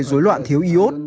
rối loạn thiếu iốt